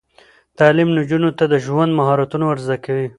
تعلیم نجونو ته د ژوند مهارتونه ور زده کوي.